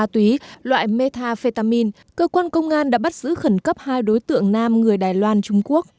từ ngày một mươi chín tháng bốn công an tp hcm đã bắt giữ khẩn cấp hai đối tượng nam người đài loan trung quốc